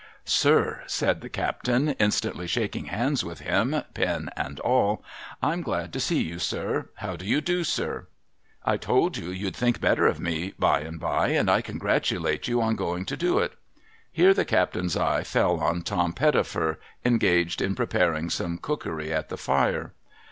' Sir,' said the captain, instantly shaking hands with him, pen and all, 'I'm glad to see you, sir. How do you do, sir? I told you you'd think better of me by and by, and I congratulate you on going to do it.' Here the captain's eye fell on Tom Pettifer Ho, engaged in preparing some cookery at the fire.